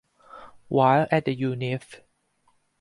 While at the Univ.